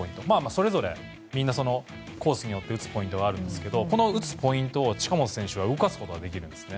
それぞれ、みんなコースによって打つポイントがあるんですがこの打つポイントを近本選手は動かすことができるんです。